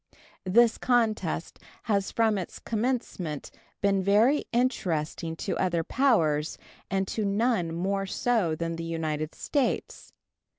This contest has from its commencement been very interesting to other powers, and to none more so than to the United States.